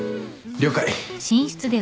了解。